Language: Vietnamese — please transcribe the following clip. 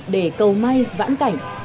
để cầu may vãn cảnh